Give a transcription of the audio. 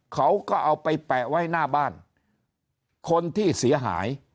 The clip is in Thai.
เขาก็เอาไปแปะไว้หน้าบ้านคนที่เสียหาย